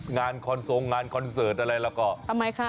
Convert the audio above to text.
งานคอนเสิร์ทอะไรก็